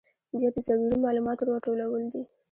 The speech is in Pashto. بیا د ضروري معلوماتو راټولول دي.